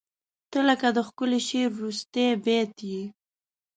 • ته لکه د ښکلي شعر وروستی بیت یې.